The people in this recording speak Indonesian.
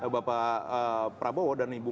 bapak prabowo dan ibu